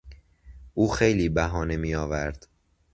او خیلی بهانه میآورد.